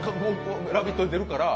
「ラヴィット！」に出るから？